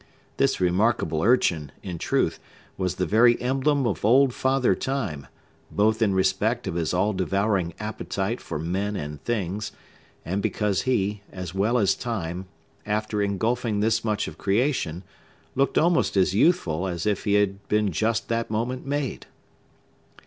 This remarkable urchin, in truth, was the very emblem of old Father Time, both in respect of his all devouring appetite for men and things, and because he, as well as Time, after ingulfing thus much of creation, looked almost as youthful as if he had been just that moment made.